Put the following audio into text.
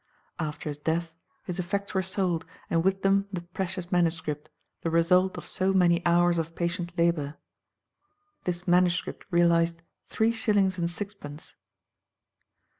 After his death his effects were sold, and with them the precious MS., the result of so many hours of patient labour; this MS. realised three shillings and sixpence!